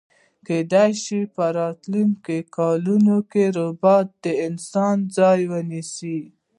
کیدای شی په راتلونکي کلونو کی ربات د انسان ځای ونیسي